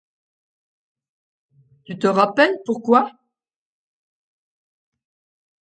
Tu te rappelles pourquoi ?